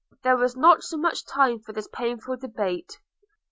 There was not much time for this painful debate.